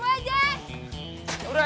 mau sakit mudah